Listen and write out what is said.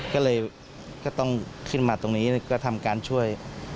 ก็เลยก็ต้องขึ้นมาตรงนี้ก็ทำการช่วย